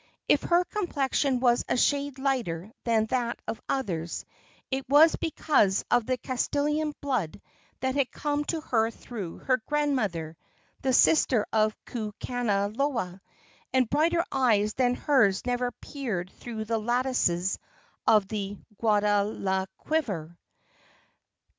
If her complexion was a shade lighter than that of others, it was because of the Castilian blood that had come to her through her grandmother, the sister of Kukanaloa, and brighter eyes than hers never peered through the lattices of the Guadalquivir.